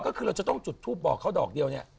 ก็คือเราจะต้องจุดทูปบอกเขาดอกเดียวเนี่ย